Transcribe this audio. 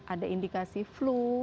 ada indikasi flu